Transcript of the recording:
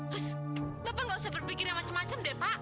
hush bapak nggak usah berpikir yang macem macem pak